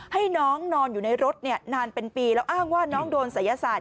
ให้น้องนอนอยู่ในรถนานเป็นปีแล้วอ้างว่าน้องโดนศัยศาสต